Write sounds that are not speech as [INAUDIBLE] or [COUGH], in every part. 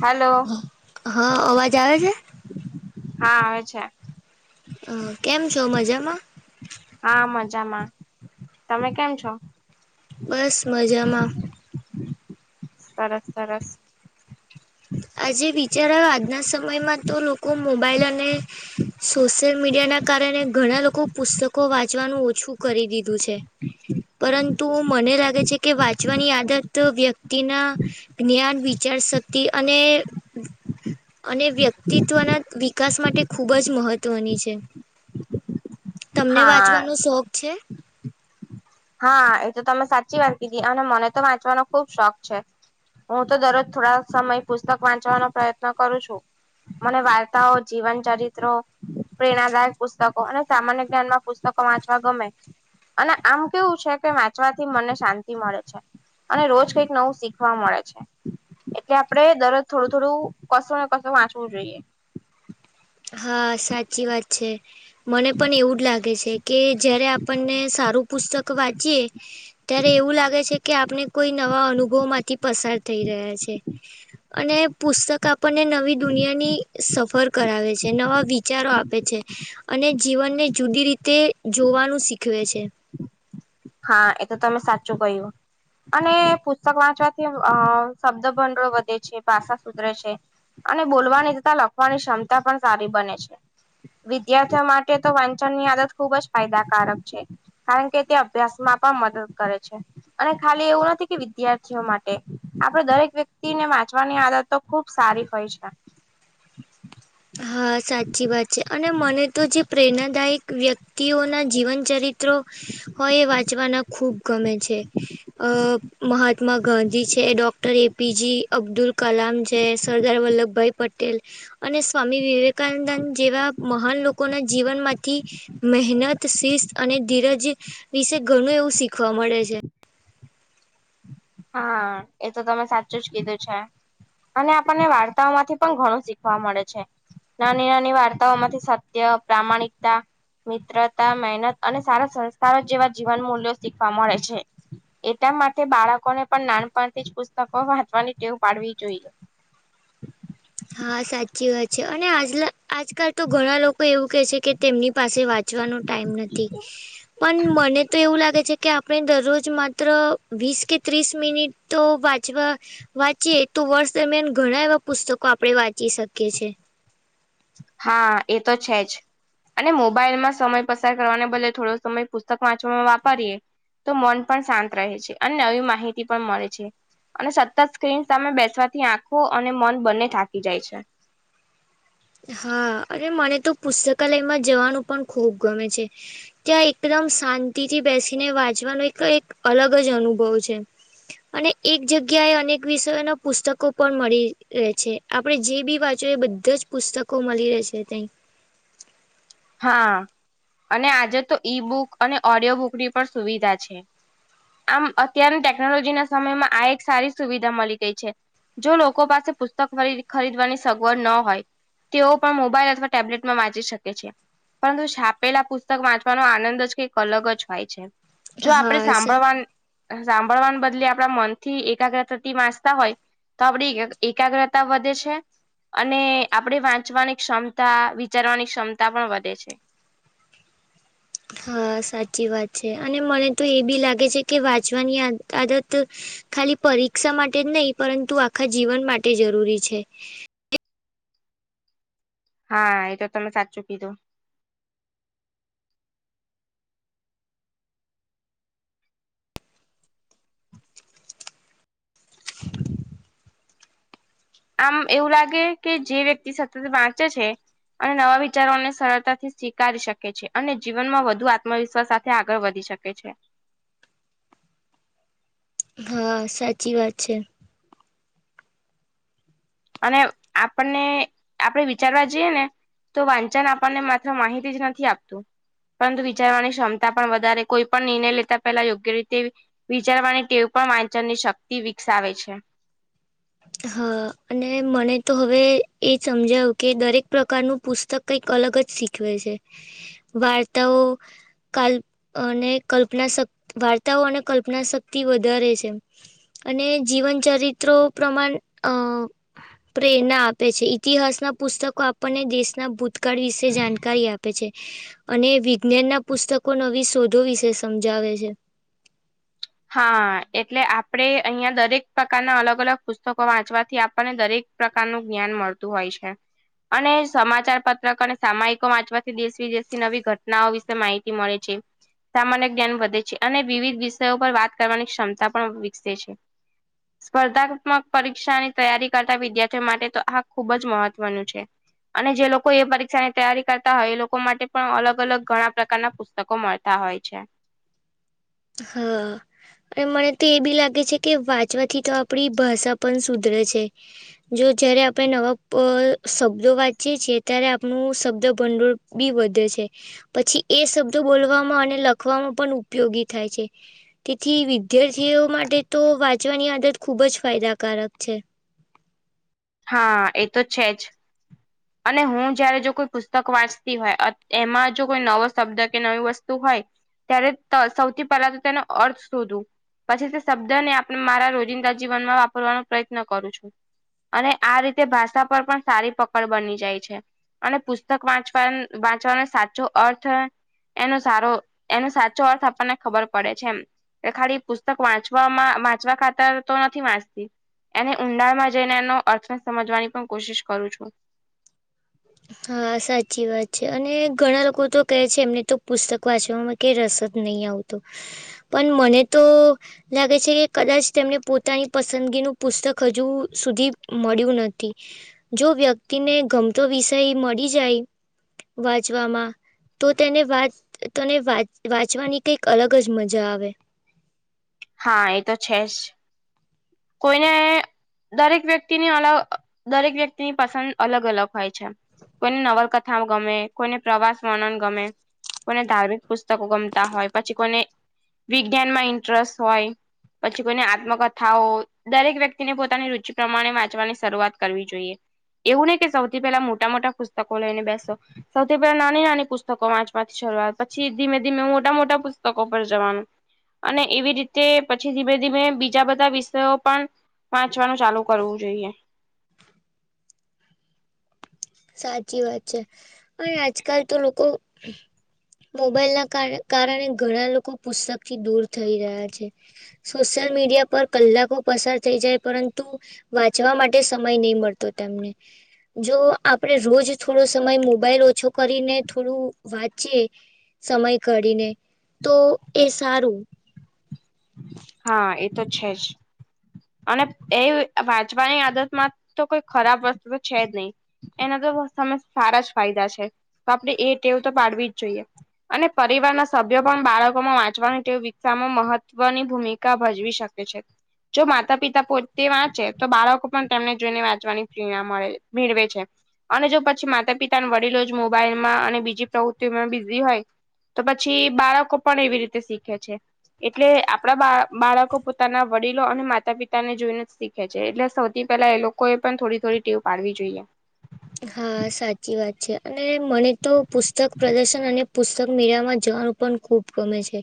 Hello હા અવાજ આવે છે. હા આવે છે. કેમ છો મજામા હા મજામાં તમે કેમ છો. બસ મજામા સરસ સરસ આજે વિચારો આજના સમયમાં તો લોકો મોબાઈલ અને સોશિયલ મીડિયા ના કારણે ઘણા લોકો પુસ્તકો વાંચવાનું ઓછું કરી દીધું છે. પરંતુ મને લાગે છે કે વાંચવાની આદત વ્યક્તિના જ્ઞાન વિચાર શક્તિ અને અને વ્યક્તિત્વના વિકાસ માટે ખૂબ જ મહત્વની છે. તમને હા વાંચવાનો શોખ છે. હા એ તો તમે સાચી વાત કીધી અને મને તો વાંચવાનો ખુબ શોખ છે. હું તો દરરોજ થોડા સમય પુસ્તક વાંચવાન પ્રયત્ન કરું છુ. મને વાર્તાઓ જીવન ચરિત્રો પ્રેરણાદાયક પુસ્તકો અને સામાન્ય જ્ઞાનમાં પુસ્તકો વાંચવા ગમે અને આમ કેવું કે વાંચવાથી મને શાંતિ મળે છે અને રોજ કઈક નવું શીખવા મળે છે. એટલે આપડે દરજ થોડું થોડું કસો ને કસું વાંચવું જોઈએ હા સાચી વાત છે. મને પણ એવું જ લાગે છે, કે જયારે આપણને સારું પુસ્તક વાંચીએ ત્યારે એવું લાગે છે. કે આપને કોઈ નવા અનુભવ માંથી પસાર થઈ રહ્યા છે અને પુસ્તક આપ આપણને નવી દુનિયાની સફર કરાવે છે. જે નવા વિચારો આપે છે અને જીવનને જુદી રીતે જોવાનું શીખવે છે. હા એ તો તમે સાચું કહ્યુ અને પુસ્તક વાંચવાથી અ શબ્દ ભંડળો વધે છે ભાષા સુધરે છે. અને બોલવાની તતાા લખવાની ક્ષમતા પણ સારી બને છે. વિદ્યાર્થીઓ માટે તો વાંચન ની આદત ખુબ જ ફાયદાકારક છે કારણ કે તે અભ્યાસમાં પણ મદદ કરે છે અને ખાલી એવું નથી કે વિદ્યાર્થીઓ માટે આપડે દરેક વ્યક્તિને વાંચવાની આદત તો ખુબ સારી હોય છે. હા સાચી વાત છે અને મને તો જે પ્રેરણાદાયક વ્યક્તિઓના જીવનચરિત્રો હ એ વાંચવાના ખૂબ ગમે છે અ મહાત્મા ગાંધી છે ડૉક્ટર એપીજી અબ્દુલ કલામ છે સરદાર વલ્લભભાઈ પટેલ અને સ્વામી વિવેકાનંદંદ જેવા મહાન લોકોના જીવનમાંથી મહેનત શિસ્ત અને ધીરજ વિશે ઘણું એવું શીખવા મળે છે. હા એ તો તમે સાચું જ કીધું છે. અને આપણને વાર્તાઓમાંથી પણ ઘણું શીખવા મળે છે. નાની નાની વાર્તાઓમાંથી સત્ય પ્રામાણિકતા મિત્રતા મહેનત અને સારા સંસ્કારો જેવા જીવન મૂલ્યો શીખવા મળે છે. એટ માટે બાળકોને પણ નાનપણથી જ પુસ્તકો વાંચવાની ટેવ પાડવી જોઈએ. હા સાચી વાત છે અને આજ આજકાલ તો ઘણા લોકો એવું કે છે કે તેમની પાસે વાત ચવાનો ટાઈમ નથી પણ મને તો એવું લાગે છે. કે આપણે દરરોજ માત્ર વીસ કે ત્રીસ મિનિટ તો વાંચવા વાંચીએ તો વર્ષ દરમિયાન ઘણા એવા પુસ્તકો આપણે વાંચી શકીએ છીએ. હા એ તો છે જ અને મોબાઈલમાં સમય પસાર કરવાને બદલે થોડો સમય પુસ્તક વાંચવામાં વાપરીએ તો મન પણ શાંત રહે છે અને નવી માહિતી પણ મળે છે. અને સતત સ્ક્રીન સામે બેસવાથી આંખો અને મન બંને થાકી જાય છે. હા અરે મને તો પુસ્તકાલયમાં જવાનું પણ ખુબ ગમે છે. ત્યાં એકદમ શાંતિથી બેસીને વાંચવાનો એક એક અલગ જ અનુભવ છે અને એક જગ્યાએ અનેક વિષયોના પુસ્તકો પણ મળી રહે છે. આપડણે જે બી વાંચી એ બધા જ પુસ્તકો મળી રહે છે ત્યાં હા અને આજે તો ઈ બુક અને ઓડિયો બુક ની પણ સુવિધા છે. આમ અત્યારની ટેકનોલોજી ના સમયમાં આ એક સારી સુવિધા મળી ગઈ છે. જો લોકો પાસે પુસ્તક ખરીદવાની સગવડ ન હોય. તેઓ પણ મોબાઈઇલ અથવા ટેબ્લેટમાં વાંચી શકે છે. પરંતુ છાપેલા પુસ્તક વાંચવાનો આનંદ જ કઈક અલગ જ હોય છે. જો આપણે હા સા સાંભળવા સાંભળવાના બદલે આપણા મનથી એકાગ્રતાથી વાંચતા હોય તો આપડી એકાગ્રતા વધે છે. અને આપણી વાંચવાની ક્ષમતા વિચારવાની ક્ષમતા પણ વધે છે. હા સાચી વાત છે અને મને તો એ બી લાગે છે કે વાંચવાની આદત ખાલી પરીક્ષા માટે જ નહીં પરંતુ આખા જીવન માટે જરૂરી છે. હા એ તો તમે સાચું કીધું. આમ એવું લાગે કે જે વ્યક્તિ સતત વાંચે છે. અને નવા વિચારોને સરળતાથી સ્વીકારી શકે છે અને જીવનમાં વધુ આત્મવિશ્વાસ ત્યા આગળ વધી શકે છે. હા સાચી વાત છે. અને આપણને આપણે વિચારવા જઈએ ને તો વાંચન આપણને માત્ર માહિતી જ નથી આપતું. પરંતુ વિચારવાની ક્ષમતા પણ વધારે કોઈ પણ નિર્ણય લેતા પહેલા યોગ્ય રીતે. વિચારવાની ટેવ પણ વાંચનની શક્તિ વિકસાવે છે. હા અને મને તો હવે એ સમજાયું કે દરેક પ્રકારનું પુસ્તક કઈક અલગ જ શીખવે છે. વાર્તાઓ કાલ્ અને કલ્પના શક્ વાર્તાઓ અને કલ્પના શક્તિ વધારે છે. અને જીવન ચરિત્રો પ્રમાણ અ પ્રેરણા આપે છે ઇતિહાસના પુસ્તકો આપણને દેશના ભૂતકાળ વિશે જાણકારી આપે છે. અને વિજ્ઞાનના પુસ્તકો નવી શોધો વિશે સમજાવે છે. હા એટલે આપડે અહિયાં દરેક પ્રકારના અલગ અલગ પુસ્તકો વાંચવાથી આપણને દરેક પ્રકારનું જ્ઞાન મળતું હોય છે. અને સમાચાર પત્રક અને સામાયિકો વાંચવાથી દેશ વિદેશની નવી ઘટનાઓ વિશે માહિતી મળે છે. સામાન્ય જ્ઞાન વધે છે અને વિવિધ વિષયો પર વાત કરવાની ક્ષમતા પણ વિકસે છે. [INAUDIBLE] સ્પર્ધાત્મક પરીક્ષાની તૈયારી કરતા વિદ્યાર્થીઓ માટે તો આ ખૂબ જ મહત્વનું છે. અને જે લોકો એ પરીક્ષા ની તૈયારી કરતા હોય એ લોકો માટે પણ અલગ અલગ ઘણા પ્રકારના પુસ્તકો મળ તા હોય છે. હા. અને મને તો એ બી લાગે છે કે વાંચવાથી તો આપણી ભાષા પણ સુધરે છે. જો જયારે આપણે નવા શબ્દો વાંચીએ છીએ ત્યારે આપણું શબ્દભંડોળ બી વધે છે પછી એ શબ્દો બોલવામાં અને લખવામાં પણ ઉપયોગી થાય છે. તેથી વિદ્યાર્થીઓ માટે તો વાત વાંચવાની આદત ખૂબ જ ફાયદાકારક છે. હા એ તો છે જ. [INAUDIBLE] અને હું જયારે જો કોઈ પુસ્તક વાંચતી હોય એમાં જો કોઈ નવો શબ્દ કે નવી વસ્તુ હોય. ત્યારે ત સૌથી પહેલા તો તેનો અર્થ શોધું. પછી તે શબ્દને આપણે મારા રોજિંદા જીવનમાં વાપરવાનો પ્રયત્ન કરું છું. અને આ રીતે ભાષા પર પણ સારી પકડ બની જાય છે. અને પુસ્તક વાંચવા વાંચવાનો સાચો અર્થ એનો સારો એનો સાચો અર્થ આપણને ખબર પડે છે એમ. એ ખાલી પુસ્તક વાંચવામાં વાંચવા ખાતર તો નથી વાંચતી. એને ઊંડાણમાં જઈને એનો અર્થને સમજવાની પણ કોશિશ કરું છું. હા સાચી વાત છે અને ઘણા લોકો તો કહે છે એમને તો પુસ્તક વાંચવામાં કે રસ જ નહી આવતો પણ મને તો લાગે છે કે કદાચ તેમને પોતાની પસંદગીનું પુસ્તક હજુ સુધી મળ્યું નથી. જો વ્યક્તિને ગમતો વિષય મળી જાય વાંચવામાં. તો તેને વાચ તને વાંચવાની કંઈક અલગ જ મજા આવે. હા એ તો છે જ કોઈને દરેક વ્યક્તિની અલગ દરેક વ્યક્તિની પસંદ અલગ અલગ હોય છે કોઈને નવલકથા ગમે કોઈને પ્રવાસ વર્ણન ગમે કોને ધાર્મિક પુસ્તકો ગમતા હોય પછી કોને વિજ્ઞાન માં ઇન્ટરેસ્ટ હોય પછી કોઈને આત્મકથાઓ દરેક વ્યક્તિને પોતાની રુચિ પ્રમાણે વાંચવાની શરૂઆત કરવી જોઈએ. એવું નઈ કે સૌથી પેલાં મોટાં-મોટાં પુસ્તકો લઈને બેસો. સૌથી પહેલા નાની નાની પુસ્તકો વાંચમાંથી શરૂઆત પછી ધીમે ધીમે મોટા મોટા પુસ્તકો પર જવાનું અને એવી રીતે પછી ધીમે-ધીમે બીજા બધાં વિષયો પણ વાંચવાનું ચાલુ કરવું જોઈએ સાચી વાત છે અને આજકાલ તો લોકો મોબાઈલ ના કાર કારણે ઘણા લોકો પુસ્તક થી દૂર થઈ રહ્યા છે. સોશિયલ મીડિયા પર કલાકો પસાર થઈ જાય પરંતુ વાંચવા માટે સમય નહી મળતો તેમને જો આપણે રોજ થોડો સમય મોબાઈલ ઓછો કરીને થોડું વાંચીએ સમય કઢીને તો એ સારું હા એ તો છે જ અને એ વાંચવાની આદત માં તો કોઈ ખરાબ વસ્તુ તો છે જ નહી એના તો [UNINTELLIGIBLE] સારા જ ફાયદા છે તો આપણે એ ટેવ તો પાડવી જ જોઈએ અને પરિવારના સભ્યો પણ બાળકોમાં વાંચવાની ટેવ વિકસામાં મહત્વની ભૂમિકા ભજવી શકે છે. જો માતા પિતા પોતે વાંચે તો બાળકો પણ તેમને જોઈને વાંચવાની પ્રેરણા મળે મેળવે છે. અને જો પછી માતા પિતા વડીલો જ મોબાઈલમાં અને બીજી પ્રવૃત્તિઓમાં બીઝી હોય તો પછી બાળકો પણ એવી રીતે શીખે છે એટલે આપણા બાળક બાળકો પોતાના વડીલ લો અને માતા પિતા ને જોઈને જ શીખે છે એટલે સૌથી પહેલા એ લોકોએ પણ થોડી થોડી ટેવ પાડવી જોઈએ હા સાચી વાત છે અને મને તો પુસ્તક પ્રદર્શન અને પુસ્તક મેળા જવા પણ ખુબ ગમે છે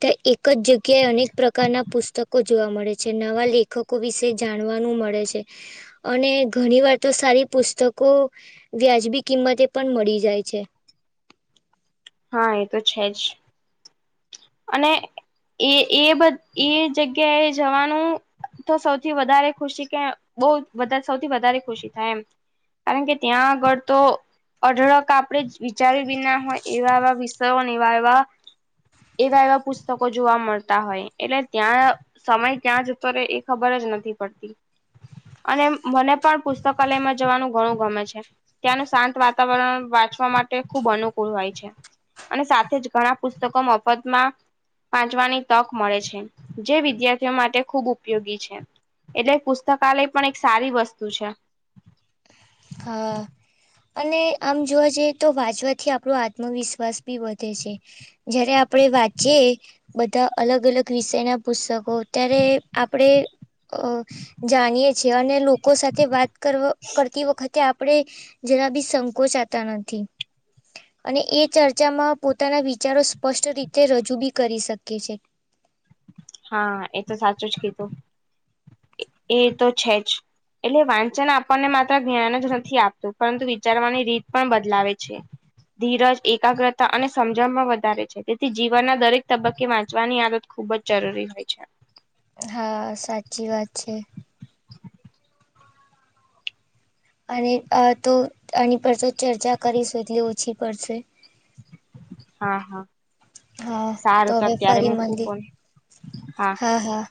તે એક જ જગ્યાએ અનેક પ્રકારના પુસ્તકો જોવા મળે છે નવા લેખકો વિશે જાણવાનું મળે છે. અને ઘણીવાર તો સારી પુસ્તક કો વ્યાજબી કિંમતે પણ મળી જાય છે હા એ તો છે જ અને એ એ એ જગ્યાએ જવાનું તો સૌથી વધારે ખુશી કે બોવ સૌથી વધારે ખુશી થાય એમ કારણ કે ત્યાં આગળ તો અઢળક આપણે વિચારી વિના હોય એવા એવા વિષયોને નિવારવા એવા એવા પુસ્તકો જોવા મળતા હોય એટલે ત્યાં સમય ક્યાં જતો રહેે એ ખબર જ નથી પડતી અને મને પણ પુસ્તકાલયમાં જવાનું ઘણું ગમે છે. ત્યાંનું શાંત વાતાવરણ વાંચવા માટે ખૂબ અનુકૂળ હોય છે અને સાથે જ ઘણા પુસ્તકો તકો મફતમાં વાચવાની તક મળે છે જે વિદ્યાર્થીઓ માટે ખૂબ ઉપયોગી છે. એટલે પુસ્તકાલય પણ એક સારી વસ્તુ છે. હા અને આમ જોવા જઈએ તો વાંચવાથી આપણો આત્મવિશ્વાસ બી વધે છે જયારે આપડે વાંચીએ બધા અલગ અલગ વિષય ના પુસ્તકો અત્યારે આપડે અ જાણીએ છીએ અને લોકો સાથે વાત કર કરતી વખત કે આપડણે જરા બી સંકોચાતા નથી. અને એ ચર્ચામાં પોતાના વિચારો સ્પષ્ટ રીતે રજૂ બી કરી શકે છે. હા એ તો સાચું જ કીધું એ તો છે જ. એટલે વાંચન આપણને માત્ર જ્ઞાન જ નથી આપતું પરંતુ વિચારવાની રીત પણ બદલાવે છે. ધીરજ એકાગ્રતા અને સમજણમાં વધારે છે. તેથી જીવનના દરેક તબક્કે વાંચવાની આદત ખુબ જ જરૂરી હોય છે. હા સાચી વાત છે. અને તો આની પર તો ચર્ચા કરીશું એટલી ઓછી પડશે. હા હા હા તો સારું હવે અત્યારે ફરી મૂકું મળીએ. ફોન હા હા